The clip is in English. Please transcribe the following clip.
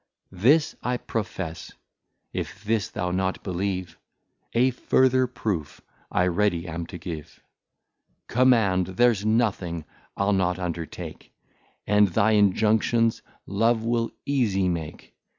This I profess, if this thou not believe, A further proof I ready am to give, Command: there's nothing I'le not undertake, And, thy Injunctions, Love will easie make.